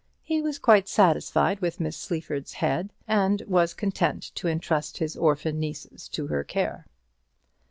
He was quite satisfied with Miss Sleaford's head, and was content to entrust his orphan nieces to her care.